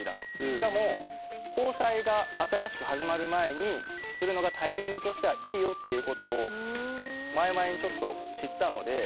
しかも交際が新しく始まる前にするのがタイミングとしてはいいよっていうことを前々にちょっと知ったので。